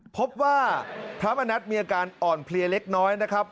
พบว่าพระมณัฐมีอาการอ่อนเพลียเล็กน้อยนะครับ